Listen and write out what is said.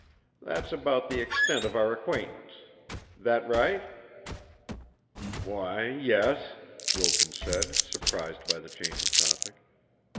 That's about the extent of our acquaintance. That right?" "Why, yes," Wilton said, surprised by the change of topic.